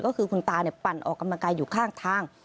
ก็คือคุณตาปั่นออกกำลังกายอยู่ข้างทาง